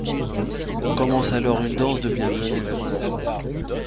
Commence alors une danse de bienvenue.